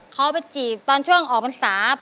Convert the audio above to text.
เขาไปจีบตอนช่วงออกภัณฑ์สาว